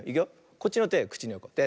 こっちのてくちにおいて。